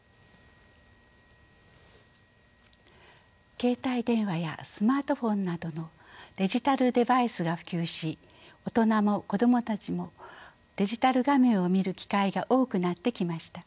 携帯電話やスマートフォンなどのデジタルデバイスが普及し大人も子どもたちもデジタル画面を見る機会が多くなってきました。